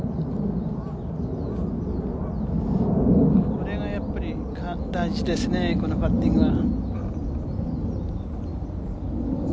これがやっぱり大事ですね、このパッティングが。